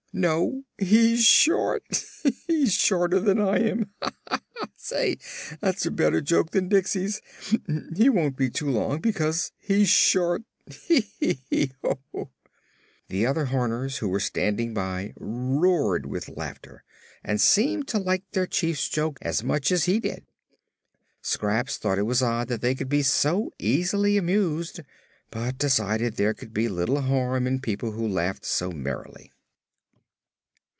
"No, he's short; he's shorter than I am. Ha, ha, ha! Say! that's a better joke than Diksey's. He won't be too long, because he's short. Hee, hee, ho!" The other Horners who were standing by roared with laughter and seemed to like their Chief's joke as much as he did. Scraps thought it was odd that they could be so easily amused, but decided there could be little harm in people who laughed so merrily.